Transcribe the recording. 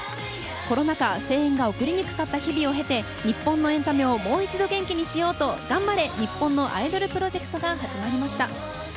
コロナ禍声援を送りにくかった日を経て日本のエンタメをもう一度、元気にしようと「がんばれ！ニッポンのアイドル」プロジェクトが始まりました。